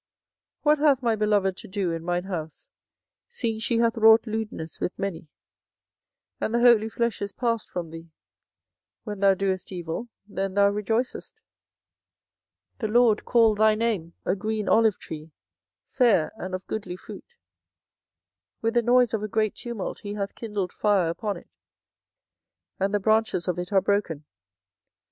24:011:015 What hath my beloved to do in mine house, seeing she hath wrought lewdness with many, and the holy flesh is passed from thee? when thou doest evil, then thou rejoicest. 24:011:016 The LORD called thy name, A green olive tree, fair, and of goodly fruit: with the noise of a great tumult he hath kindled fire upon it, and the branches of it are broken.